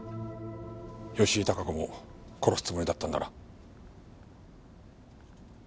吉井孝子も殺すつもりだったんだな？